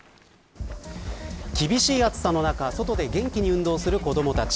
厳しい暑さの中、外で元気に運動する子どもたち。